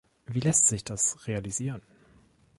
Wie lässt sich das realisieren?